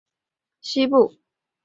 并继续向北移动横过新界西部。